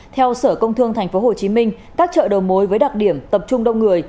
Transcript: theo sở công thương tp hcm các chợ đầu mối với đặc điểm tập trung đông người